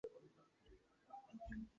毕业于山东师范大学中文专业。